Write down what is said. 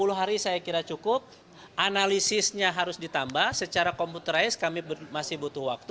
sepuluh hari saya kira cukup analisisnya harus ditambah secara komputerize kami masih butuh waktu